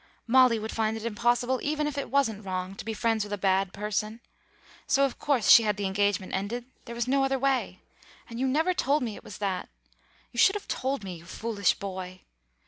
Molly would find it impossible even if it wasn't wrong, to be friends with a bad person. So of course she had the engagement ended; there was no other way.... And you never told me it was that.... You should have told me, you foolish boy.